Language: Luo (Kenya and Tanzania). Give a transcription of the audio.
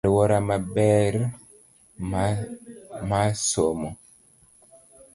Aluora maber mas somo.